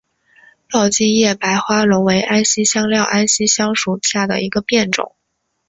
抱茎叶白花龙为安息香科安息香属下的一个变种。